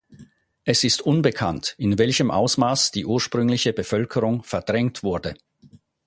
Es ist unbekannt, in welchem Ausmaß die ursprüngliche Bevölkerung verdrängt wurde.